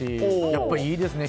やっぱりいいですね。